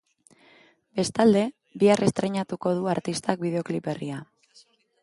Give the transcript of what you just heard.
Bestalde, bihar estreinatuko du artistak bideoklip berria.